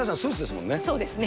そうですね。